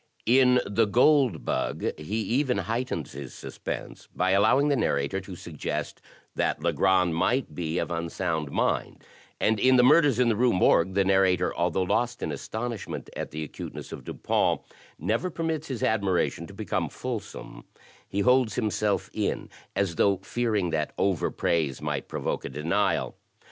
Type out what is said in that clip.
"In the *Gold Bug* he even heightens his suspense by allowing the narrator to suggest that Legrand might be of unsound mind; and in the * Murders in the Rue Morgue' the narrator, although lost in astonishment at the acuteness of Dupin, never permits his admiration to become fulsome; he holds himself in, as though fearing that overpraise might provoke a denial.